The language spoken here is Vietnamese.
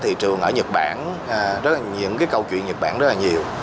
thị trường ở nhật bản những câu chuyện nhật bản rất là nhiều